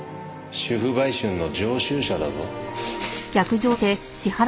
主婦売春の常習者だぞ。